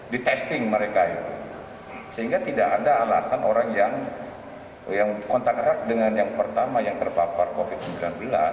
di testing mereka itu sehingga tidak ada alasan orang yang kontak erat dengan yang pertama yang terpapar covid sembilan belas